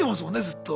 ずっと。